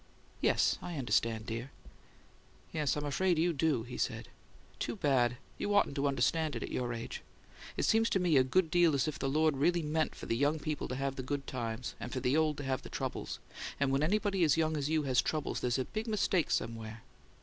"Yes. I understand, dear." "Yes, I'm afraid you do," he said. "Too bad! You oughtn't to understand it at your age. It seems to me a good deal as if the Lord really meant for the young people to have the good times, and for the old to have the troubles; and when anybody as young as you has trouble there's a big mistake somewhere."